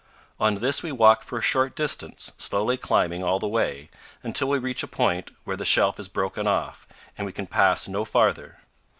On this we walk for a short distance, slowly climbing all the way, until we reach a point where the shelf is broken off, and we can pass no farther.